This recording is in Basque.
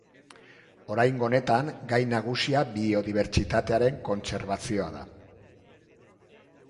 Oraingo honetan, gai nagusia biodibertsitatearen kontserbazioa da.